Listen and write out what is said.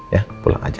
ya pulang aja